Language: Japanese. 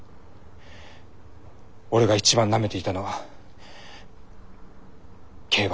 俺が一番なめていたのは競馬だ。